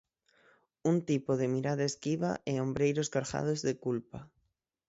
Un tipo de mirada esquiva e ombreiros cargados de culpa.